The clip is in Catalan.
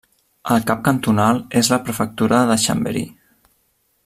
El cap cantonal és la prefectura de Chambéry.